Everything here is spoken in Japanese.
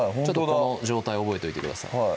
この状態を覚えといてください